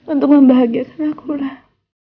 untuk membahagiakan akulah